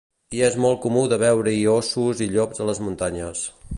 Hi és molt comú de veure-hi ossos i llops a les muntanyes.